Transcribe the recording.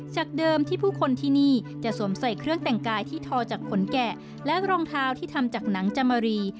จากเดิมที่ผู้คนที่นี่จะสวมใส่เครื่องแต่งกายที่ทอจากขนแกะและรองเท้าที่ทำจากหนังจามรี